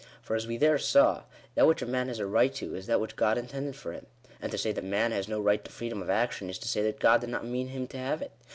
For, as we there saw, that which a man has a right to, is that which God intended for him. And to say that man has no right to freedom of action, is to say that God did not mean him to have it.